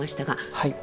はい。